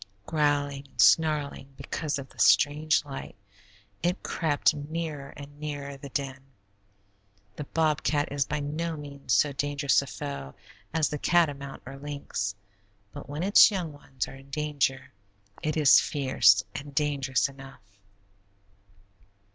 Growling and snarling because of the strange light, it crept nearer and nearer the den. The bobcat is by no means so dangerous a foe as the catamount or lynx, but when its young ones are in danger, it is fierce and dangerous enough.